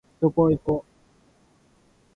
そこいこ